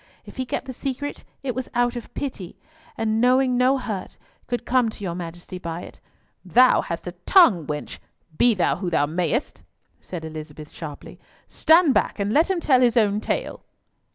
If he kept the secret, it was out of pity, and knowing no hurt could come to your Majesty by it." "Thou hast a tongue, wench, be thou who thou mayst," said Elizabeth sharply. "Stand back, and let him tell his own tale."